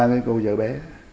cái cô vợ bé